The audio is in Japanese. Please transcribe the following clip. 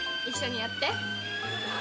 一緒にやって。